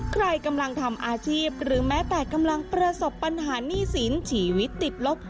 ใครกำลังทำอาชีพหรือแม้แต่กำลังประสบปัญหาหนี้สินชีวิตติดลบ